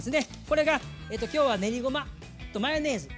これが今日は練りごまとマヨネーズ。